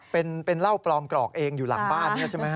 เป็นเหล้าปลอมกรอกเองอยู่หลังบ้านนี้ใช่ไหมฮ